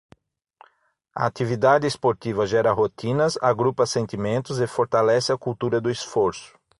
A atividade esportiva gera rotinas, agrupa sentimentos e fortalece a cultura do esforço.